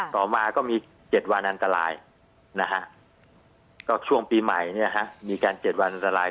ต่อมาก็มี๗วันอันตรายช่วงปีใหม่มีการ๗วันอันตราย